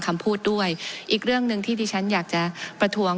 คำพูดด้วยอีกเรื่องหนึ่งที่ดิฉันอยากจะประท้วง